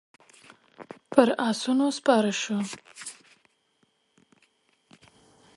پر آسونو سپاره شوو.